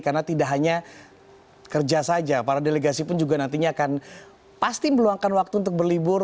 karena tidak hanya kerja saja para delegasi pun juga nantinya akan pasti meluangkan waktu untuk berlibur